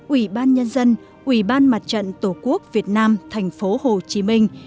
ủy ban nhân dân ủy ban mặt trận tổ quốc việt nam thành phố hồ chí minh